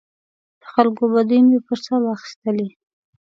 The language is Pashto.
د خلکو بدۍ مې پر سر واخیستلې.